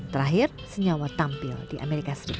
terakhir senyawa tampil di amerika serikat